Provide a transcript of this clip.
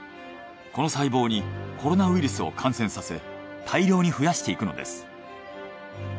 この細胞にコロナウイルスを感染させ大量に増やしていくのです。